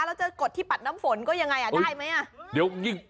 แล้วจะกดที่ปัดน้ำฝนก็ยังไงอ่ะได้ไหมอ่ะ